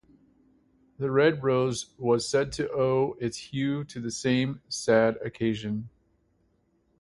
The red rose was said to owe its hue to the same sad occasion.